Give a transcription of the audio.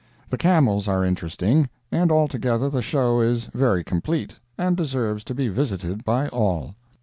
The camels are interesting; and altogether the show is very complete, and deserves to be visited by all.